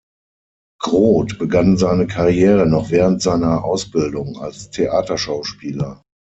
Groth begann seine Karriere, noch während seiner Ausbildung, als Theaterschauspieler.